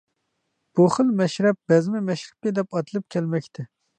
بۇ خىل مەشرەپ «بەزمە مەشرىپى» دەپ ئاتىلىپ كەلمەكتە.